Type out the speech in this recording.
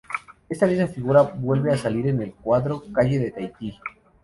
Esta misma figura vuelve a salir en el cuadro "Calle de Tahití".